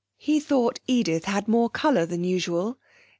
He thought Edith had more colour than usual.